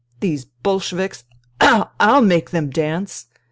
. these Bolsheviks ! I'll make them dance